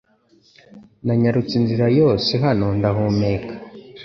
Nanyarutse inzira yose hano ndahumeka